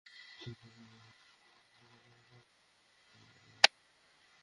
তিনি আন্তর্জাতিক সন্ত্রাসী সংগঠন আল-কায়েদার সাবেক প্রধান ওসামা বিন লাদেনের দেহরক্ষী ছিলেন।